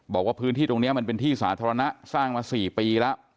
บอกว่าพื้นที่ตรงนี้มันเป็นที่สาธารณะสร้างมา๔ปีแล้ว